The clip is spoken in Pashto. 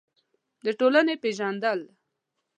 د ټولنې پېژندل: